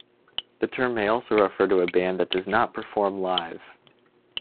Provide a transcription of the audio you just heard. The term may also refer to a band that does not perform live.